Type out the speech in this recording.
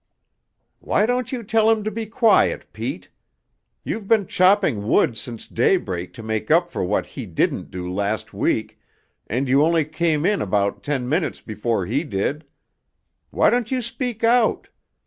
"Why don't you tell him to be quiet, Pete? You've been chopping wood since daybreak to make up for what he didn't do last week, and you only came in about ten minutes before he did. Why don't you speak out?